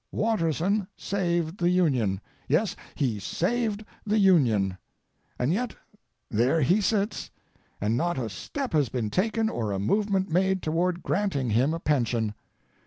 Watterson saved the Union; yes, he saved the Union. And yet there he sits, and not a step has been taken or a movement made toward granting him a pension.